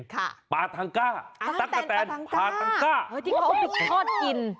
ค่ะปาทังก้าตั๊กกระแทนปาทังก้าที่เขาพริกทอดกิน